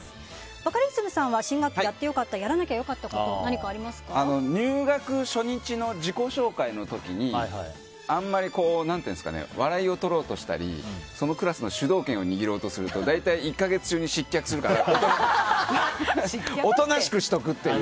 バカリズムさんは新学期やってよかった・やらなきゃよかったコト入学初日の自己紹介の時にあんまり笑いを取ろうとしたりそのクラスの主導権を握ろうとすると大体１か月中に失脚するから大人しくしておくっていう。